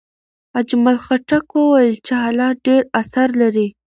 اجمل خټک وویل چې حالات ډېر اثر لري.